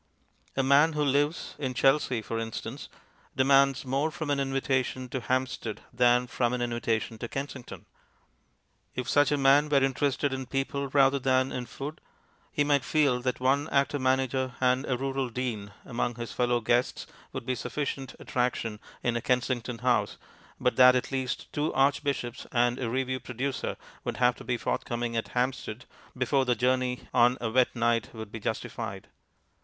A man who lives in Chelsea (for instance) demands more from an invitation to Hampstead than from an invitation to Kensington. If such a man were interested in people rather than in food, he might feel that one actor manager and a rural dean among his fellow guests would be sufficient attraction in a Kensington house, but that at least two archbishops and a revue producer would have to be forthcoming at Hampstead before the journey on a wet night would be justified.